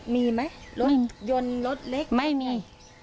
มีไหมรถยนต์รถเล็กไม่มี